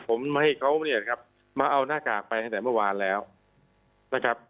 ผมให้เขาเนี่ยนะครับมาเอาหน้ากากไปตั้งแต่เมื่อวานแล้วนะครับ